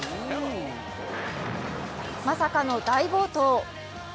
まさかの大暴投。